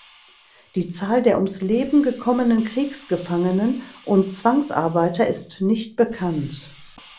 Die Zahl der ums Leben gekommenen Kriegsgefangenen und Zwangsarbeiter ist nicht bekannt.